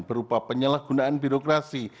berupa penyalahgunaan birokrasi